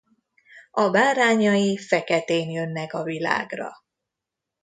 A bárányai feketén jönnek a világra.